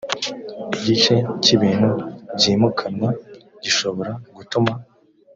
igice cy ibintu byimukanwa gishobora gutuma